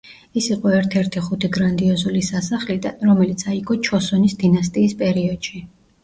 ის იყო ერთ-ერთი „ხუთი გრანდიოზული სასახლიდან“, რომელიც აიგო ჩოსონის დინასტიის პერიოდში.